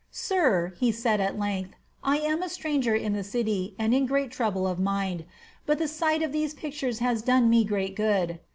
"Sir," he said at length, "I am a stranger in the city, and in great trouble of mind. But the sight of these pictures has done me great good.